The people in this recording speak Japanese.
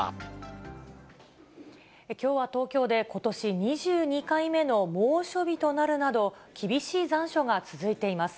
きょうは東京でことし２２回目の猛暑日となるなど、厳しい残暑が続いています。